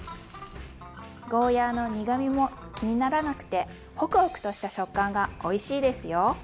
ゴーヤーの苦みも気にならなくてホクホクとした食感がおいしいですよ。